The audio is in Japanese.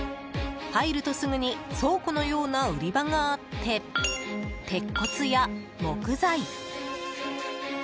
入るとすぐに倉庫のような売り場があって鉄骨や木材。